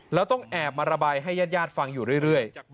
แล้วต้องแอบมาระบายให้ญาติฟังอยู่เรื่อย